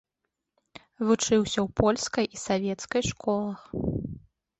Вучыўся ў польскай і савецкай школах.